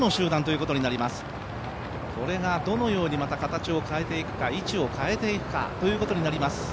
これがどのように形を変えていくか位置を変えていくかということになります。